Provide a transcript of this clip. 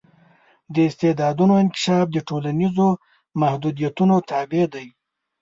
د استعدادونو انکشاف د ټولنیزو محدودیتونو تابع دی.